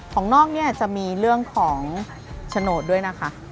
ของนอกเนี่ยจะมีเรื่องของโฉนดด้วยนะคะ